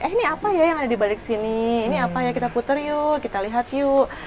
eh ini apa ya yang ada di balik sini ini apa ya kita puter yuk kita lihat yuk